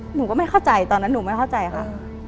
หนูก็ไม่เข้าใจตอนนั้นหนูไม่เข้าใจค่ะ